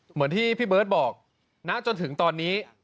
เหมือนที่พี่เบิร์ตบอกณจนถึงตอนนี้